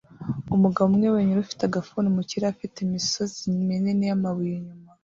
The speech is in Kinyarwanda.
Umugabo umwe wenyine ufite agafuni mu kirere afite imisozi minini yamabuye inyuma